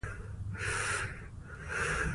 ازادي راډیو د بیکاري په اړه د پېښو رپوټونه ورکړي.